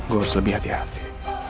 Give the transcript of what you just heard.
gue harus lebih hati hati